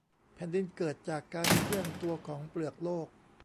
แผ่นดินเกิดจากการเคลื่อนตัวของเปลือกโลก